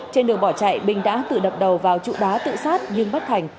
trên đường bỏ chạy bình đã tự đập đầu vào trụ đá tự sát nhưng bất thành